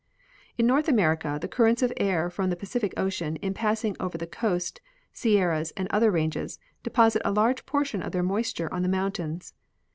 In North America the currents of air from the Pacific ocean, in passing over the Coast, Sierras and other ranges, deposit a large portion of their moisture on the mountains.